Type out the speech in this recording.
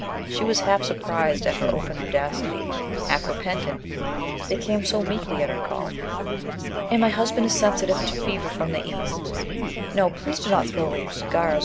She was half surprised at her open audacity, half repentant. They came so meekly at her call. "And my husband is sensitive to fever from the East. No, _please do not throw away your cigars.